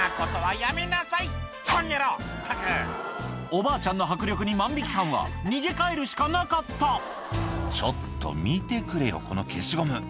おばあちゃんの迫力に万引き犯は逃げ帰るしかなかった「ちょっと見てくれよこの消しゴム」